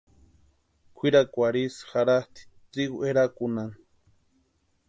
Kwʼirakwarhu isï jaratʼi trigu erakunhani.